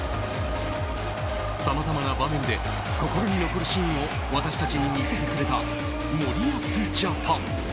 さまざまな場面で心に残るシーンを私たちに見せてくれた森保ジャパン。